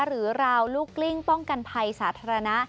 ราวลูกกลิ้งป้องกันภัยสาธารณะ